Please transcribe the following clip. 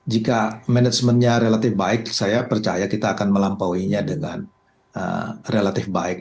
jika manajemennya relatif baik saya percaya kita akan melampauinya dengan relatif baik